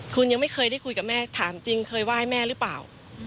คุณยังไม่เคยได้คุยกับแม่ถามจริงเคยไหว้แม่หรือเปล่า